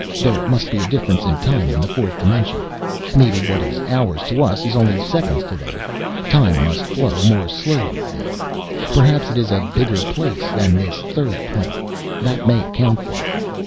"There must be a difference in time in the fourth dimension. Maybe what is hours to us is only seconds to them. Time must flow more slowly there. Perhaps it is a bigger place than this third plane. That may account for it.